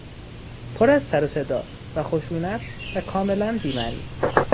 پر از سروصدا و خشونت و کاملا بی معنی